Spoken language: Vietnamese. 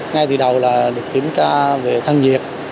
ngay từ đầu là được kiểm tra về thân nhiệt